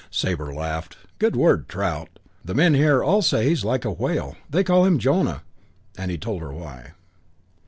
Sabre laughed. "Good word, trout. The men here all say he's like a whale. They call him Jonah," and he told her why.